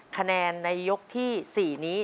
คะแนนในยกที่๔